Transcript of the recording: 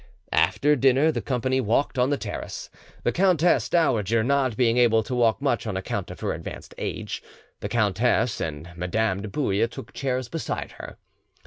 After dinner, the company walked on the terrace. The countess dowager not being able to walk much on account of her advanced age, the countess and Madame de Bouille took chairs beside her.